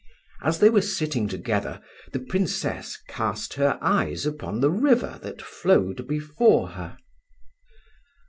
As they were sitting together the Princess cast her eyes upon the river that flowed before her.